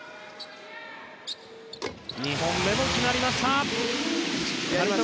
２本目も決まりました。